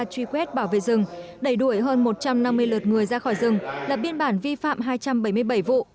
truy quét bảo vệ rừng đẩy đuổi hơn một trăm năm mươi lượt người ra khỏi rừng lập biên bản vi phạm hai trăm bảy mươi bảy vụ